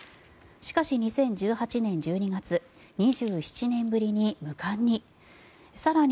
しかし、２０１８年１２月２７年ぶりに無冠に。